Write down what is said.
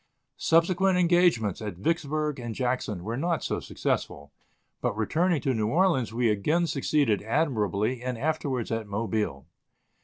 Subsequent engagements at Vicksburg and Jackson were not so successful, but returning to New Orleans we again succeeded admirably and afterwards at Mobile.